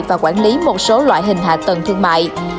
và quản lý một số loại hình hạ tầng thương mại